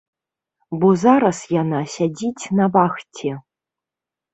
Бо зараз яна сядзіць на вахце.